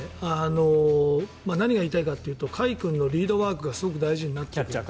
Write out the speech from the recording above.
何が言いたいかというと甲斐君のリードワークがすごく大事になってくる。